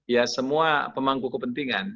ya semua pemangku kepentingan